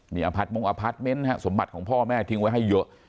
มีอาพารต์มองอาพารต์เม้นท์นะฮะสมบัติของพ่อแม่ทิ้งไว้ให้เยอะ